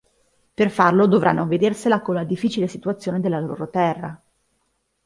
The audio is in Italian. Per farlo, dovranno vedersela con la difficile situazione della loro terra.